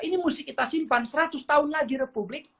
ini mesti kita simpan seratus tahun lagi republik